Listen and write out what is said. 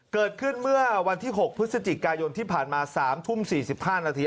เกิดขึ้นเมื่อวันที่๖พฤศจิกายนที่ผ่านมา๓ทุ่ม๔๕นาที